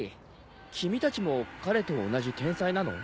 君たちも彼と同じ天才なの？